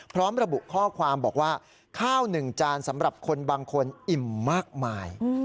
พร้อมระบุข้อความบอกว่าข้าว๑จานสำหรับคนบางคนอิ่มมากมาย